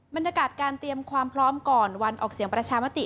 บรรยากาศการเตรียมความพร้อมก่อนวันออกเสียงประชามติ